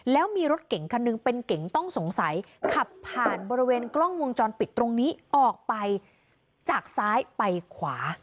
แล้วมีรถเก่งคันหนึ่งเป็นเก๋งต้องสงสัยขับผ่านบริเวณกล้องวงจรปิดตรงนี้ออกไปจากซ้ายไปขวา